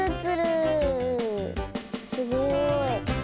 すごい。